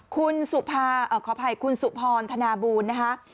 ขออภัยคุณสุภรธนาบูรณ์นะคะ